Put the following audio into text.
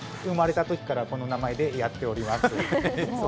生まれたときからこの名前でやっております。